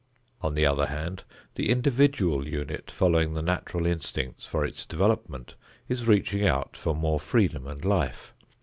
On the other hand, the individual unit following the natural instincts for its development is reaching out for more freedom and life.